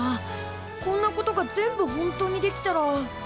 こんなことが全部ほんとにできたら。